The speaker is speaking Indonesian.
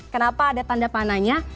kenapa ada tanda panahnya